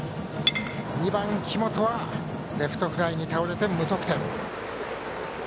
２番、紀本はレフトフライに倒れて無得点。